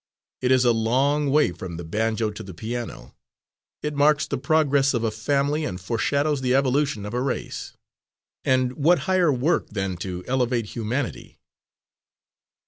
It is a long way from the banjo to the piano it marks the progress of a family and foreshadows the evolution of a race. And what higher work than to elevate humanity?"